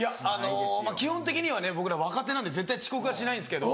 基本的にはね僕ら若手なんで絶対遅刻はしないんですけど。